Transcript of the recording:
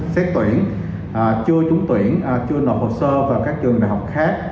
xét tuyển chưa trúng tuyển chưa nộp hồ sơ vào các trường đại học khác